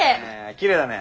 きれいだね。